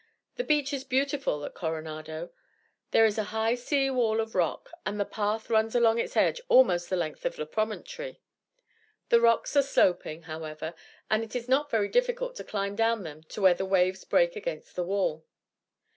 The beach is beautiful at Coronado. There is a high sea wall of rock, and the path runs along its edge almost the length of the promontory. The rocks are sloping, however, and it is not very difficult to climb down them to where the waves break against the wall.